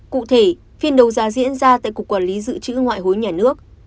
cụ thể phiên đấu giá diễn ra tại cục quản lý dự trữ ngoại hối nhà nước